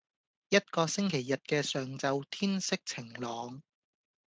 一個星期日嘅上晝天色晴朗